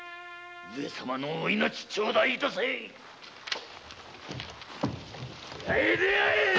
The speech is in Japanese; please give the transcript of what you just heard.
上様のお命ちょうだいいたせ出会え出会えっ‼